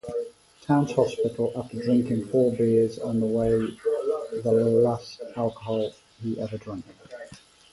Towns Hospital after drinking four beers on the way-the last alcohol he ever drank.